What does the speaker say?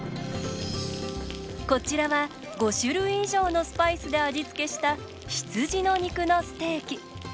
こちらは５種類以上のスパイスで味付けした羊の肉のステーキ。